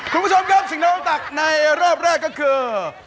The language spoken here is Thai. คุณผู้ชมครับสิ่งที่น้องตักในรอบแรกก็คือ